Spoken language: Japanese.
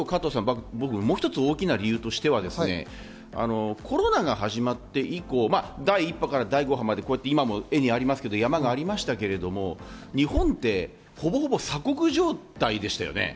もう一つ大きな理由としてはコロナが始まって以降、第１波から第５波まで山がありましたけど、日本って、ほぼほぼ鎖国状態でしたよね。